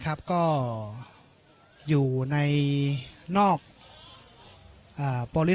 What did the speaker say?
ไม่เป็นไรไม่เป็นไร